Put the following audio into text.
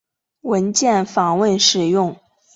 文件访问使用。